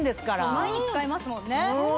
毎日使いますもんね。